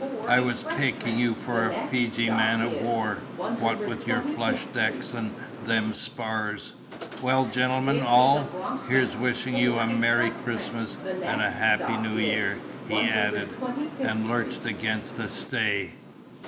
"I was taking you for a Fiji man of war, what with your flush decks and them spars. Well, gen'lemen all, here's wishing you a Merry Christmas and a Happy New Year," he added, and lurched against a stay.